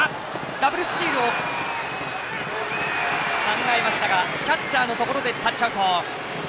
ダブルスチールを考えましたがキャッチャーのところでタッチアウト。